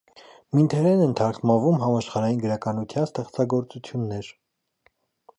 Մինդհերեն են թարգմանվում համաշխարհային գրականության ստեղծագործություններ։